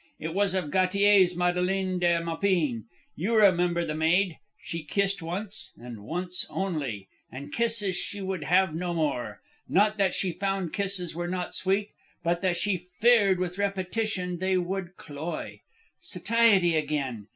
It was of Gautier's Madeline de Maupin. You remember the maid? She kissed once, and once only, and kisses she would have no more. Not that she found kisses were not sweet, but that she feared with repetition they would cloy. Satiety again!